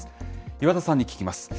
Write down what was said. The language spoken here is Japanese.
岩田さんに聞きます。